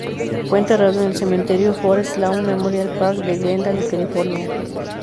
Fue enterrado en el Cementerio Forest Lawn Memorial Park de Glendale, California.